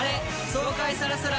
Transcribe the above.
爽快さらさら